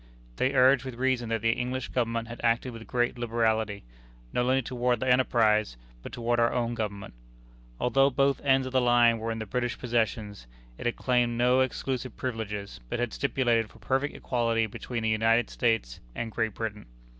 They urged with reason that the English Government had acted with great liberality not only toward the enterprise, but toward our own Government. Although both ends of the line were in the British possessions, it had claimed no exclusive privileges, but had stipulated for perfect equality between the United States and Great Britain.